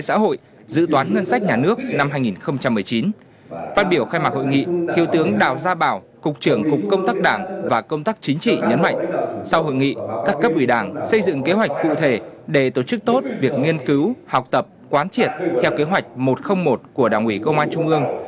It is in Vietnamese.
sau hội nghị các cấp ủy đảng xây dựng kế hoạch cụ thể để tổ chức tốt việc nghiên cứu học tập quán triệt theo kế hoạch một trăm linh một của đảng ủy công an trung ương